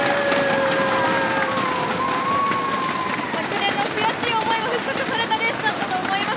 昨年の悔しい思いを払拭されたレースだったと思います。